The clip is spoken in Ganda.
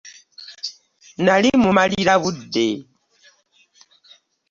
Nnali mmumalira budde.